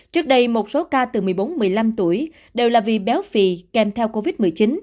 trước đây một số ca từ một mươi bốn một mươi năm tuổi đều là vì béo phì kèm theo covid một mươi chín